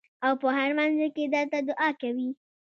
او پۀ هر مانځه کښې درته دعا کوي ـ